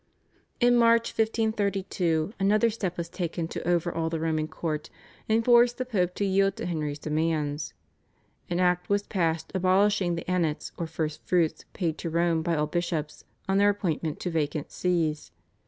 In March 1532 another step was taken to overawe the Roman court and force the Pope to yield to Henry's demands. An Act was passed abolishing the Annats or First Fruits paid to Rome by all bishops on their appointment to vacant Sees.